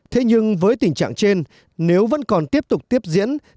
thế nhưng với tình trạng trên nếu vẫn còn tiếp tục tiếp diễn